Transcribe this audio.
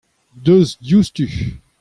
deus diouzhtu.